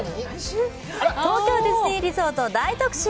東京ディズニーリゾート大特集。